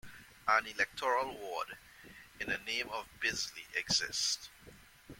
An electoral ward in the name Bisley exists.